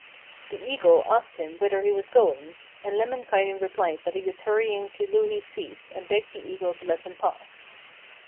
The Eagle asked him whither he was going, and Lemminkainen replied that he was hurrying to Louhi's feast and begged the Eagle to let him pass.